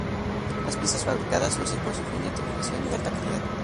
Las piezas fabricadas lucen por su fina terminación y alta calidad.